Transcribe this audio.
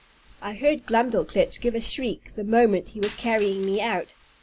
I heard Glumdalclitch give a shriek the moment he was carrying me out.